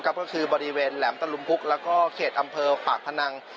ก็คือบริเวณแหลมตะลุมพุกแล้วก็เขตอำเภอปากพนัง